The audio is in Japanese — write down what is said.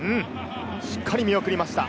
しっかり見送りました。